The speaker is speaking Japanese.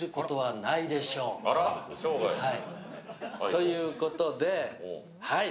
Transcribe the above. ということではい、